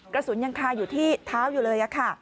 กระสุนยังคาอยู่ที่เท้าอยู่เลยค่ะ